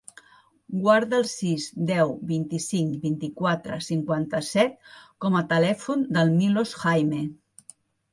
Guarda el sis, deu, vint-i-cinc, vint-i-quatre, cinquanta-set com a telèfon del Milos Jaime.